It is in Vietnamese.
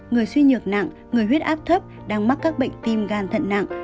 người suy nhược nặng người huyết áp thấp đang mắc các bệnh tim gan thận nặng